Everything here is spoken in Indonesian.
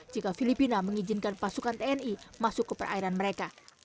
jika filipina mengizinkan pasukan tni masuk ke perairan mereka